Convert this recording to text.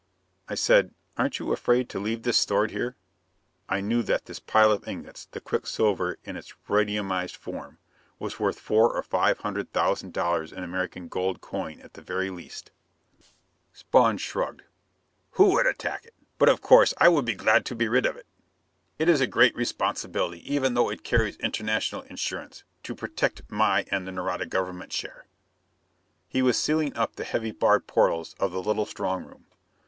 I said, "Aren't you afraid to leave this stored here?" I knew that this pile of ingots the quicksilver in its radiumized form was worth four or five hundred thousand dollars in American gold coin at the very least. Spawn shrugged. "Who would attack it? But of course I will be glad to be rid of it. It is a great responsibility even though it carries international insurance, to protect my and the Nareda Government share." He was sealing up the heavy barred portals of the little strong room.